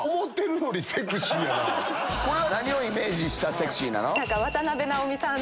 これは何をイメージしたセクシーなの？